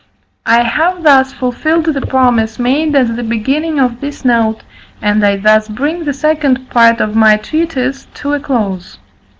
I have thus fulfilled the promise made at the beginning of this note, and I thus bring the second part of my treatise to a close.